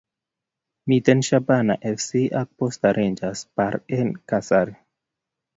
Miten shabana fc ak Post rangers par ak en kasari